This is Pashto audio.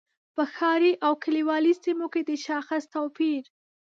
په ښاري او کلیوالي سیمو کې د شاخص توپیر.